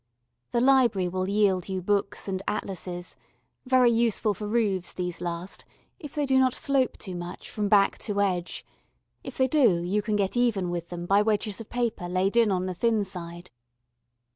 The library will yield you books and atlases very useful for roofs these last, if they do not slope too much from back to edge; if they do, you can get even with them by wedges of paper laid in on the thin side.